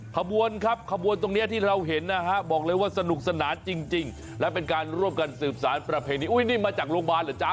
ขบวนครับขบวนตรงนี้ที่เราเห็นนะฮะบอกเลยว่าสนุกสนานจริงและเป็นการร่วมกันสืบสารประเพณีอุ้ยนี่มาจากโรงพยาบาลเหรอจ๊ะ